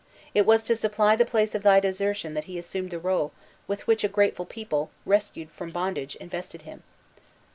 It was to supply the place of thy desertion that he assumed the rule, with which a grateful people, rescued from bondage, invested him."